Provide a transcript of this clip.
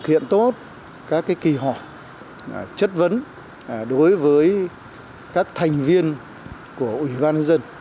khiện tốt các kỳ họp chất vấn đối với các thành viên của ủy ban dân